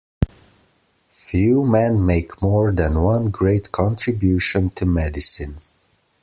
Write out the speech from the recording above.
Few men make more than one great contribution to medicine.